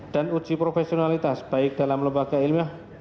dan uji profesionalitas baik dalam lembaga ilmiah